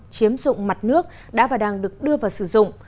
chiếm dụng mặt nước đã và đang được đưa vào sử dụng